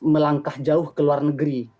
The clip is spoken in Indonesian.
melangkah jauh ke luar negeri